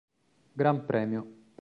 Gran Premio